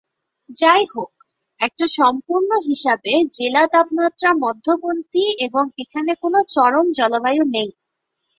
যাইহোক, একটি সম্পূর্ণ হিসাবে জেলা তাপমাত্রা মধ্যপন্থী এবং এখানে কোন চরম জলবায়ু নেই।